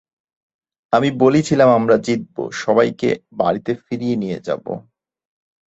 আমি বলেছিলাম, আমরা জিতবো এবং সবাইকে বাড়িতে ফিরিয়ে নিয়ে যাব।